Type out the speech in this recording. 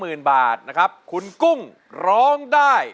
ไม่ทำได้ไม่ทำได้